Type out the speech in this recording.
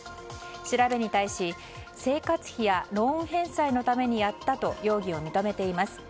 調べに対し、生活費やローン返済のためにやったと容疑を認めています。